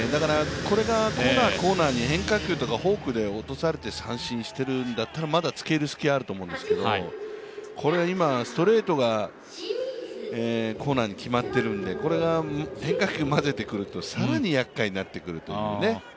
これがコーナー、コーナーに変化球とかフォークで落とされて三振されるんだったら、まだつけ入る隙はあると思うんですけど今、ストレートがコーナーに決まっているので、変化球混ぜてくると、更にやっかいになってくるというね。